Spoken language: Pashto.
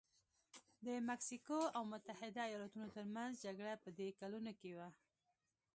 د مکسیکو او متحده ایالتونو ترمنځ جګړه په دې کلونو کې وه.